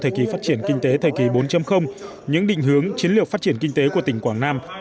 thời kỳ phát triển kinh tế thời kỳ bốn những định hướng chiến lược phát triển kinh tế của tỉnh quảng nam